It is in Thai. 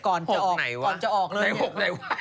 ปลาหมึกแท้เต่าทองอร่อยทั้งชนิดเส้นบดเต็มตัว